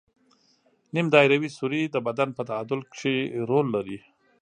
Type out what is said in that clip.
نیم دایروي سوري د بدن په تعادل کې رول لري.